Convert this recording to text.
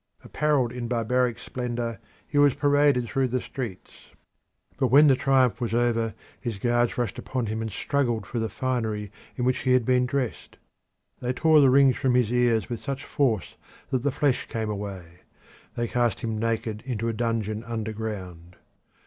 Apparelled in barbaric splendour, he was paraded through the streets. But when the triumph was over his guards rushed upon him and struggled for the finery in which he had been dressed. They tore the rings from his ears with such force that the flesh came away; they cast him naked into a dungeon under ground.